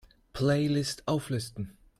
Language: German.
Playlists auflisten!